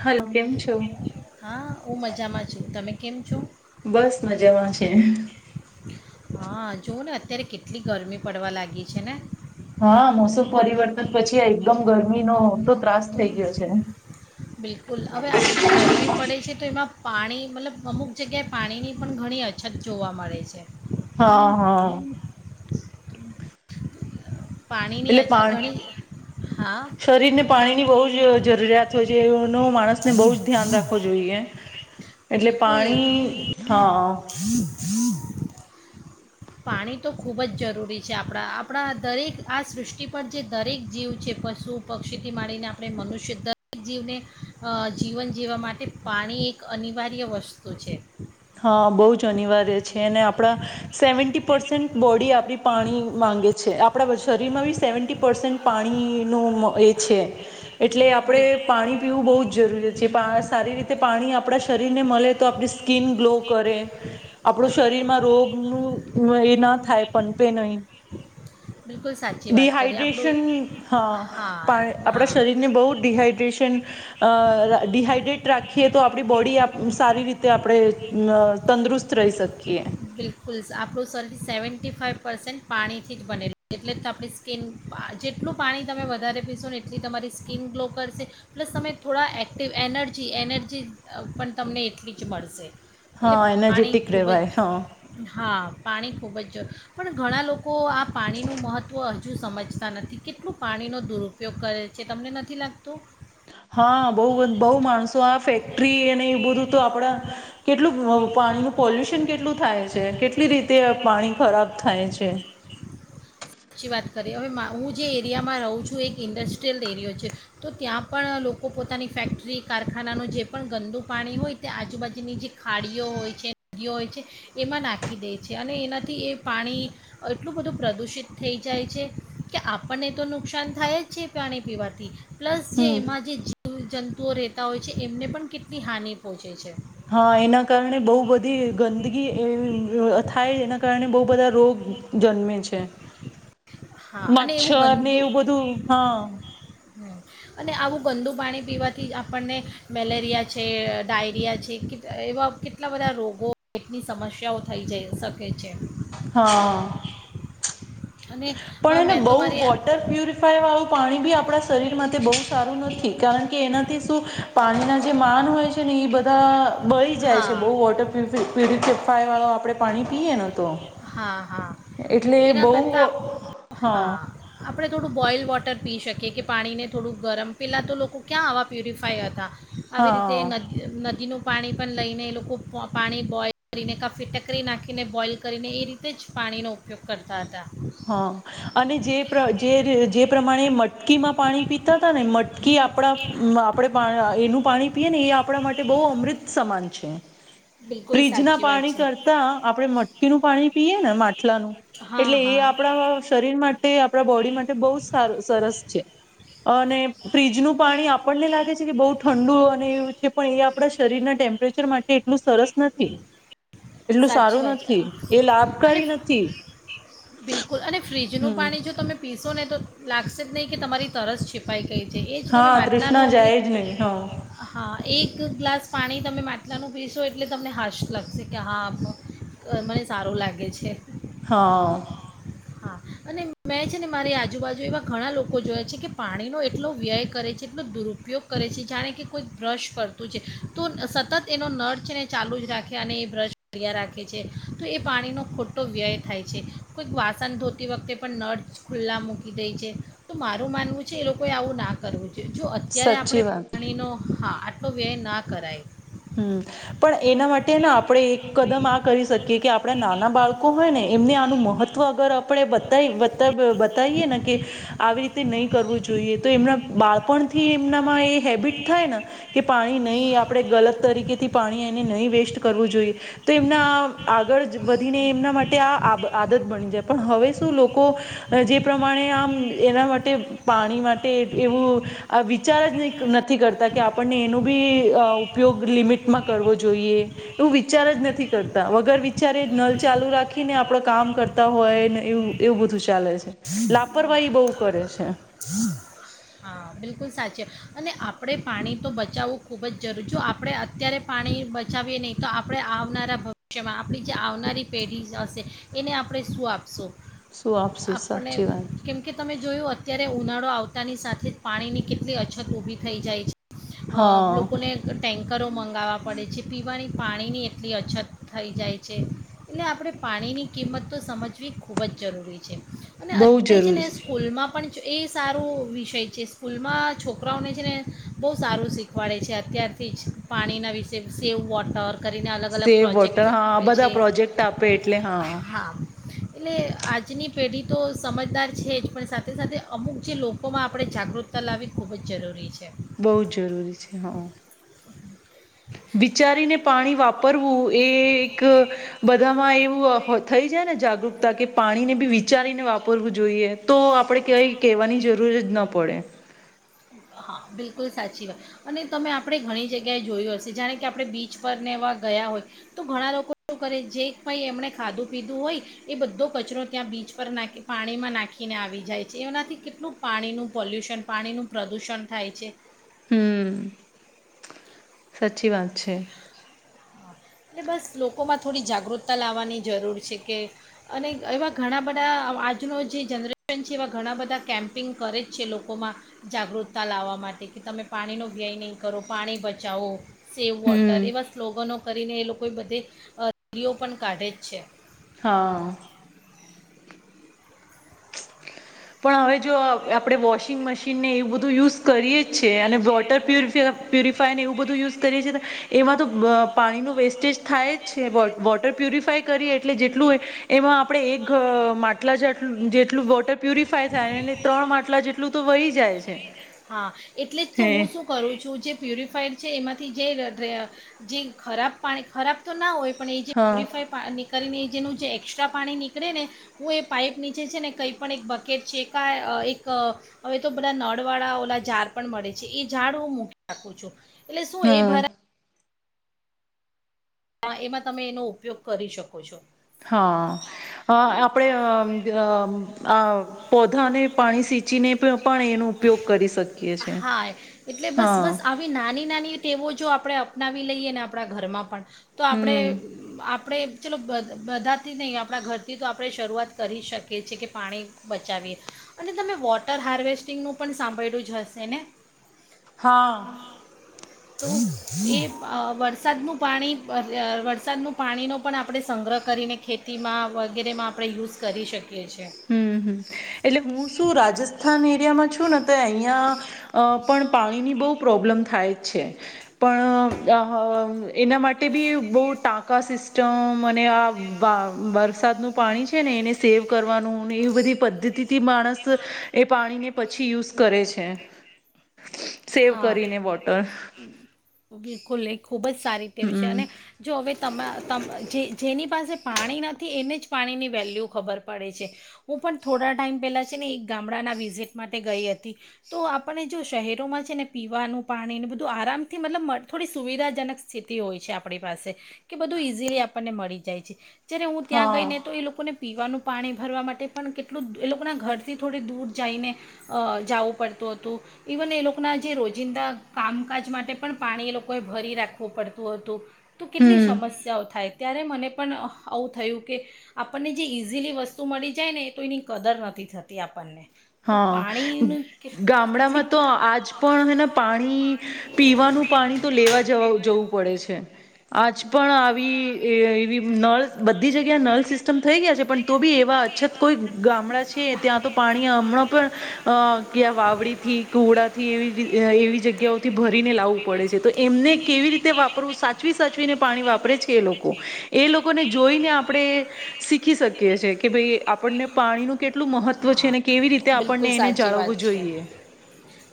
Hello કેમ છો હા હું મજામાં છું તમે? કેમ છું? બસ મજામાં છે જો ને અત્યારે કેટલી ગરમી પડવા લાગી છે ને હા મોસમ પરિવર્તન પછી એકદમ ગરમી નો તો ત્રાસ થઇ ગયો છે. બિલકુલ હવે આટલી ગરમી પડે છે તો એમાં પાણી મતલબ અમુક જગ્યાએ પાણીની પણ ઘણી અછત જોવા મળે છે હા હા પાણીની એટલે અછ પાણી ઘણી હા શરીરને પાણીની બહુ જ જરૂરિયાત હોય છે એનું માણસને બહુ જ ધ્યાન રાખવું જોઈએ એટલે બિલકુલ પાણી હા પાણી તો ખૂબ જ જરૂરી છે આપણા આપણા દરેક આ સૃષ્ટિ પર જે દરેક જીવ છે પશુ પક્ષીથી માંડીને આપણે મનુષ્ય દરેક જીવને અ જીવન જીવવા માટે પાણી એક અનિવાર્ય વસ્તુ છે. હા બહુ જ અનિવાર્ય છે ને આપણા સેવન્ટટી પરસેન્ટ બોડી આપ પાણી માંગે છે આપણા શરીરમાં બી સેવન્ટી પરસન પાણી નું એ છે એટલે આપણે બિલ પાણી પીવું બહુ જ જરૂરી છે જે સારી રીતે પાણી આપણા શરીર ને મળે તો આપ સ્કીન ગ્લો કરે આપણું શરીરમાં રોગ નુ એ ના થાય પનપે નહી બિલકુલ સાચી વાત કરી ડિહાઈડ્રેશન આપણું હા હા આપણા હા શરીરને બહુ ડિહાઈડ્રેશન ડિહાઈડ્રેટ રાખ રાખીએ તો આપડી બોડી સારી રીતે આપણે તંદુરસ્ત રહી શકીએ બિલકુલ આપણું શરીર સેવન્ટી ફાાઈવ પર્સેન્ટ પાણીથી જ બને એટલે તો આપણી સ્કીિન જેટલું પાણી તમે વધારે પીશો ને એટલી તમારી સ્કીિન ગ્લો કરશે પ્લસ તમે થોડા એક્ટિવ એનર્જી એનર્જી પણ તમને એટલી જ મળશે હા એટલે પાણી એનર્જેટિક ખૂબ રહેવાય હ જ હા. પાણી ખૂબ જ જો પણ ઘણા લોકો કો આ પાણીનું મહત્ત્વ સમજતા નથી કેટલું પાણીનો દુરુપયોગ કરે છે તમને નથી લાગતું. હા બહ બહુ માણસો આ ફેક્ટરી અને એવું બધું તો આપડા, કેટલું પાણીનું પોલ્યુશન કેટલું થાય છે કેટલી રીતે પાણી ખરાબ થાય છે. સાચી વાત કરીએ હવે હું જે એરિયામાં રહું છું એક ઇન્ડસ્ટ્રીયલ એરિયો છે, તો ત્યાં પણ લોકો પોતાની ફેક્ટરી કારખાનાનું જે પણ ગંદુ પાણી હોય તે આજુબાજુની જે ખાડીઓ હોય છે નદીઓ હોય છે, એમાં નાખી દે છે અને એનાથી એ પાણી, એટલું બધું પ્રદૂષિત થઈ જાય છે, કે આપણને તો નુકસાન થાય જ છે પાણી પીવાથી. પ્લસ જે હમ એમાં જે જંતુઓ રહેતા હોય છે એમને પણ કેટલી હાનિ પહોંચે છે. હા એના કારણે બહુ બધી ગંદગી એવી થાય જે કારણે બહુ બધા રોગ જન્મે છે. હા અને એવું મચ્છર ને ગંદુ એવું બધું હા. [inaudible] અને આવું ગંદુ પાણી પીવાથી કે આપણને, મેલેરિયા છે, ડાયરિયા છે, એવા કેટલા બધા રોગોટની સમસ્યાઓ થઈ જઈ શકે છે. હા અને અ, પણ એને મેં તો બહુ મારી વોટર પ્યુરિફાય વાળું પાણી બી આપ આપણા શરીરમાં બહુ સારું નથી કારણ કે એના શું પાણીના જે માન હોય છે ને એ બધા બળી જાય હા છે, બહુ વોટર પ્યુરિફાય વાળું આપણે પાણી પીએ ન, તો હા એટલે [inaudible] એના બહુ કરતા, હા, આપડ થોડું બોઇલ વોટર પી શકે, કે પાણીને થોડું ગરમ, પહેલાં તો લોકો ક્યાં આવા પ્યુરિફાય હતા. આવી રીતે હા નદી, નદી નું પાણી પણ લઈને એ લોકો પાણી બોઈલ કરીને કા, ફીટકરી નાખીને બોઇલ કરીને એ રીતે જ પાણીનો ઉપયોગ કરતા હતા. હા આ પ્રમાણે [inaudible] મટકીમાં પાણી પીતા હતાા, ને મટ કે આપણા, આપડે એનું પાણી પીએ, ને એ આપણા માટે બહુ અમૃત સમાન છે. બિલકુલ ફ્રીજ ના સાચી વાત પાણી છે કરતા આપડણે મટકીનુંું પાણી પીએ ને માટલાનું, હા એટલે એ હા આપ આપ શરીર માટે, આપણા બોડી માટે બહુ સારું, સરસ છે અને ફ્રીજનું પાણી આપણને લાગે છે કે બહૂ ઠંડુ અને એવું છે, પણ એ આપણા શરીરના ટેમ્પરેચર માટે એટલું સરસ નથી એટલું સાચી સારું વાત છે નથી એ અને લાભકારી નથી. બિલકુલ અને ફ્રીજનુંું હમ પાણી જો તમે પીશો ને, તો લાગશે જ નહીં કે તમારી તરસ છિપાઈ, ગઈ છે એ જ તમે હા ત્રૃષ્ણા, માટલાનું એક જાય જ નહી હા હા એક ગ્લાસ પાણી તમે માટલાનું પીશો એટલે તમને હાશ લાગશે કે, હા મને સારું લાગે છે. હા હા અને મેં છે ને મારી આજુબાજુ એવા ઘણા લોકો જોવે છે કે પાણીનો એટલો વ્યય કરે છે, એટલો દુરુપયોગ કરે છે જાણે કે કોઈક બ્રશ કરતું છે તો સતત એનો નળ છે ને ચાલુ જ રાખે, અને એ બ્રશ કર્યા રાખે છે, તો એ પાણીનો ખોટો વ્યય થાય છે. કોઈક વાસ, વાસન ધોતી વખતે પણ નળ ખુલ્લા મૂકી દે છે, તો મારું માનવું છે એ લોકો ઍ આવું ના કરવું જો, જો અત્યારે સાચી આપણે વાત પાણીનો, હા, આટો વ્યય ના કરાય. હમ, પણ એના માટે આપણે એક કદમ આ કરી શકીએ કે આપણા નાના બાળકો હોય ને એમને આનું મહત્વ અગર આપણે, [inaudible] બતાવીએ ને કે, આવી રીતે નહી કરવું જોઈએ તો, એમના બાળપણથી એમનામાં એ હેબિટ થાય ને કે પાણી, નહી આપણેે, ગલત તરીકે થી પાણી એને નહી વેસ્ટ કરવું જોઈએ, તો એમના આગળ [inaudible] વધને એમના માટે આ આદત બની જાય. પણ હવે શું લોકો જે પ્રમાણે આમ એના માટે પાણી માટે એવું આ વિચાર જ નહીં નથી કરતા કે આપણને એનું બી અહ ઉપયોગ લિમિટમાં કરવો જોઈએ, એવું વિચાર જ નથી કરતા, વગર વિચારે જ નલ ચાલુ રાખીને આપડે કામ કરતા હોય ને એવું-એવું બધું ચાલે છે. લાપરવાહી બહુ કરે છે. હા બિલકુલ સાચું. અને આપણે પાણી તો બચાવવું ખૂબ જ જરૂરી, જો આપણે અત્યારે પાણી બચાવીએ નહીં, તો આપણે આવનારા ભવિષ્યમાં આપણી જે આવનારી પેઢી હશે એને આપણે શું આપશું? શું આપશું આપણે સાચી વાત કેમકે તમે જોયું અત્યારે ઉનાળો આવ તા ની સાથે પાણીની કેટલી અછત ઊભી થઈ જાય છ અહ હા લોકોને ટેન્કરો મંગાવવા પડે છે, પીવાની પાણીની એટલી અછત થઈ જાય છે. એટલે આપણે પાણીની કિંમત તો સમજવી ખૂબ જ જરૂરી છે. અને બહુ અત્યારે છે જરૂરી ને સ્કૂલમાં પણ જ એ સારો વિષય છે. સ સ્કૂલમાં છોકરાઓને છે ને બહુ સારું શીખવાડે છે અત્યારથી જ, પાણીના વિશે સેવ વોટર કરીને અલગ અલગ સેવ પ્રોજેક્ટ વોટર, હા, આ આપે બધા છે પ્રોજેક્ટ આપે એટલે હા. એટલે આજની પેઢી તો સમજદાર છે જ, પણ સાથે-સાથે અમુક જે લોકોમાં આપણે જાગૃત તા લાવી ખૂબ જ જરૂરી છે. બહુ જ જરૂરી છ છે, હા. વિચારીને પાણી વાપરવું એ એક બધામાં એવું થઈ જાય ને જાગૃતતા કે પાણીને બી વિચારીને વાપરવું જોઈએ, તો આપણેે કય કહેવાની જરૂર જ ન પડે. હા બિલકુલ સાચી વાત. અને તમે આપણે ઘણી જગ્યાએ જોયું હશે જાણે કે આપણે બીચ પરને એવા ગયા હોય, તો ઘણા લોકો શું કરે જે કઈ એમણે ખાધું પીધું હોય, એ બધો કચરો ત્યાં બીચ પર નાખી પાણીમાં નાખીને આવી જાય છે. એનાથી કેટલું પાણીનું પોલ્યુશન, પાણીનું પ્રદૂષણ થાય છે. હમ્મ. સાચી વાત છે. એ બસ લોકોમાં થોડી જાગૃતતા લાવવાની જરૂર છે કે અને એવા ઘણા બધા આજનું જે જનરેશન છે એવા ઘણા બધા કેમ્પિંગ કરે જ છે લોકોમાં જાગૃતતા લાવવા માટે કે તમે પાણીનો વ્યય નહીં કરો પાણી બચાવો સેવ વોટર હમ એવા સ્લોગનો કરીને એ લોકો બધે અહ રીઓ પણ કાઢે જ છે. હા. પણ હવે જો અહ આપડે વોશિંગ મશીનને એવું બધું યુઝ કરીએે જ છે. અને વોટર પ્યુરફ પ્યુરિફાયરને એવું બધું યુઝ કરીએ છએ એમાં તો પાણીનું વેસ્ટેજ થાય જ છે. વો-વોટર પ્યુરિફાય કરીએ એટલે જેટલું એમાં આપણે એક અહ માટલા જાટલું જેટલું વોટર પ્યુરિફાય થાય એટલે ત્રણ માટલા જેટલું તો વહી જાય છે. હા એટલે જ તો હે હું શું કરું છું જે પ્યુરિફાઈડ છે એમાંથી જે રે જે ખરાબ પાણી ખરાબ તો ના હોય પણ એ જે હા પ્યુરિફાય પા નિકલ ને જેનું જે એક્સ્ટ્રા પાણી નીકળે ને હું એ પાઈપ નીચે છે ને કંઈ પણ એક બકેટ છે કા આહ એક હવે તો બધા નળ વાળા ઓલા ઝાર પણ એટલે શું એ હા ભરા હા, એમાં તમે એનો ઉપયોગ કરી શકો છો. હા આપણે ચીને પિયો હા, એટલે બસ હા બસ આવી નાની નાની ટેવો જો આપડે અપનાવી લઈએ ને આપડા ઘરમાં પણ તો આપડે હમ અહ આપ આપડે ચલો બ-બધાથી નહીં આપડા ઘરથી તો આપડે શરૂઆત કરી શકીએ છીએ, કે પાણી બચાવીએ. અને તમે વોટર હાર્વેસ્ટ ટિંગનું પણ સાંભળ્યું જ હશે ને. હા. તો એ અહ વરસાદનું પાણી વરસાદનું પાણીનો પણ આપણે સંગ્રહ કરીને ખેતીમાં વગેરેમાં આપણે યુઝ કરી શક હમ્મ-હમ્મ. એટલે હું શું રાજસ્થાની એરિયામાં છું ને તો અહીયાં અહ પણ પાણીની બહુ પ્રોબ્લેમ થાય છે. પણ અહ એના માટે ભી બહુ ટાંકા સિસ્ટમ અને આ વા વરસાદ નું પાણી છે ને એને સેવ કર વાનું ને એવી બધી પદ્ધતિથી માણસ એ પાણીને પછી યુઝ કરે છે. સેવ હા, કરીને વોટર બિલકુલ. એક ખૂબ જ સારી ટેવ છે. હમ. અને જો હવે તમા તમ જે જેની પાસે પાણી નથી એને જ પાણીની વેલ્યુ ખબર પડે છે. હું પણ થોડા ટાઈમ પહેલાં છે ને એક ગામડાના વિઝિટ માટે ગઈ હતી, તો આપણને જો શહેરોમાં છ છે ને પીવાનું પાણી ને બધું આરામથી મતલબ થોડી સુવિધાજનક સ્થિતિ હોય છે આપણી પાસે. કે બધું ઈઝીલી આપણને મળી જાય છે. જયારે હું ત્યાં ગઈ હા ને તો એ લોકોને પીવાનું પાણી ભરવા માટે પણ કેટલું એ લોકોના ઘરથી થોડીક દૂર જઈને અહ જાવું પડતું હતું. ઇવન એ લોક ના જે રોજિંદા કામકાજ માટે પણ પાણી એ લોકોએ ભરી રાખવું પડતું હતું. તો કેટલી હમ સમસ્યાઓ થાય. ત્યારે મને પણ અહ આવું થયું કે આપણને જે ઇઝીલી વસ્તુ મળી જાય ને એ તો એની કદર નથી થતી આપણને. તો હા. પાણીનું ગામડામાં કેટલીક તો આ જ પણ એના પાણી પીવાનું પાણી તો લેવા જવા જવું પડે છે આજ પણ આવી એવી નળ બધી જગ્યા નળ સિસ્ટમ થઈ ગયા છે પણ તો બી એવા અછત કોઈ ગામડા છે ત્યાં તો પાણી હમણાં પણ ક્યા વાવડી થી કુડા થી એ જગ્યા જગ્યાથી ભરીને લાવવું પડે છે તો એમને કેવી રીતે વાપરવું સાચવી સાચવીને પાણી વાપરે છે એ લોકો એ લોકોને જોઈને આપણે શીખી શકીએ છ છે કે ભાઈ આપણને પાણીનું કેટું કેટલું હા મહત્વ છે કેવી રીતે બિલકુલ આપણને એને સાચી વાત જાળવવું છે જોઈએ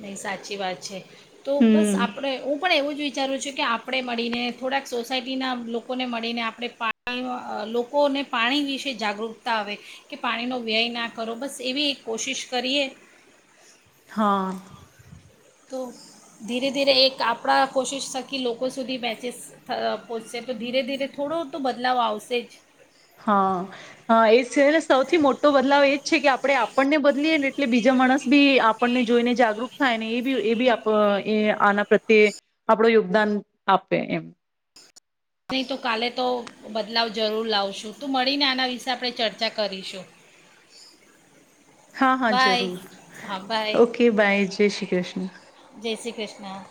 નહી સાચી વાત છે તો બસ હમ આપડે હું પણ એવું જ વિચારું છું કે આપણે મળીને થોડાક સોસાયટીના લોકોને મળીને આપણે પાણી લોકોને પાણી વિશે જાગૃતતા આવે કે પાણીનો વ્યય ના બરોબસ એવી એક કોશિશ કરીએ હા તો ધીરે ધીરે એક આપણા કોશિશ થકી લોકો સુધી મેચસ પહોંચશે તો ધીરે ધીરે થોડો તો બદલાવ આવશે જ હા હ એ છે સૌથી મોટો બદલાવ એ જ છે કે આપણે આપણને બદલીએ એટલે બીજા માણસ બી આપણને જોઈને જાગૃત થાય ને એ બી એ બી એ આના પ્રત્યે આપણો યોગદાન આપે એમ નહીં તો કાલે તો બદલાવ જરૂર લાવશું તું મળીને આના વિશે આપણે ચર્ચા કરીશું હા હા બાય જરૂર હા બાય ઓકે બાય જય શ્રી કૃષ્ણ ના